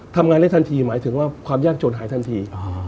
ทำงานได้ทันทีหมายถึงว่าความยากจนหายทันที